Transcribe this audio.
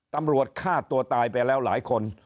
ตำรวจฆ่าตัวตายไปแล้วหลายคน